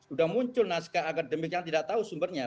sudah muncul naskah akademik yang tidak tahu sumbernya